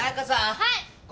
はい。